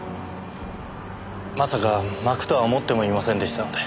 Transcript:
まさかまくとは思ってもいませんでしたので。